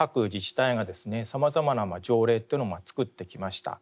さまざまな条例というのを作ってきました。